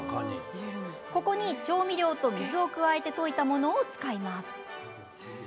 ここに調味料と水を加えて溶いたものを使います。